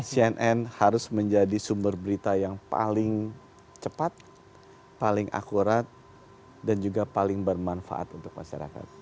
cnn harus menjadi sumber berita yang paling cepat paling akurat dan juga paling bermanfaat untuk masyarakat